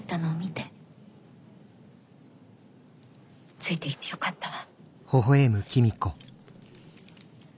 ついてきてよかったわ。